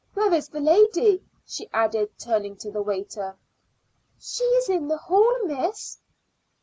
Where is the lady?" she added, turning to the waiter. "She is in the hall, miss."